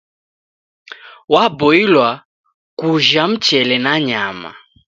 Waboilwa kujha mchele na nyama.